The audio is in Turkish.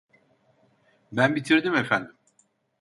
Ben bitirdim efendim!